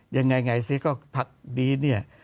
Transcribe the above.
ยังไงจะปรับดีเนี่ย